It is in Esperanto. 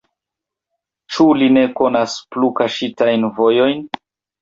Ĉu li ne konas plu kaŝitajn vojojn?